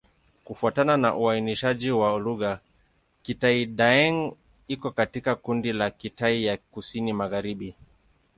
Kufuatana na uainishaji wa lugha, Kitai-Daeng iko katika kundi la Kitai ya Kusini-Magharibi.